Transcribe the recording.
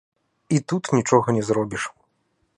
І тут нічога не зробіш.